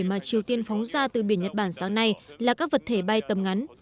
mà triều tiên phóng ra từ biển nhật bản sáng nay là các vật thể bay tầm ngắn